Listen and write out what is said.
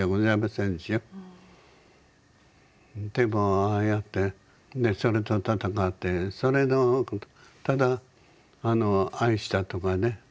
でもああやってそれと闘ってそれのただ愛したとかね